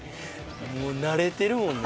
もう慣れてるもんね。